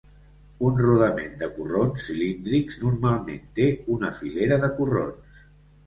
Un rodament de corrons cilíndrics normalment té una filera de corrons.